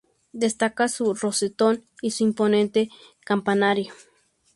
Destaca su rosetón y su imponente campanario.